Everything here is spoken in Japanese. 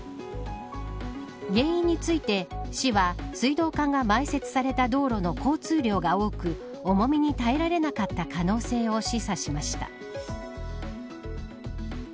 原因について市は水道管が埋設された道路の交通量が多く重みに耐えられなかった可能性を示唆しました。